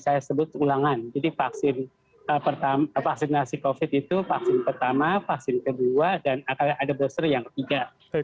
saya juga menurut saya sebut ulangan jadi vaksinasi covid sembilan belas itu vaksin pertama vaksin kedua dan ada boster yang ketiga